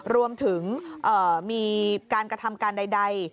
รวมถึงมีการกระทำการใด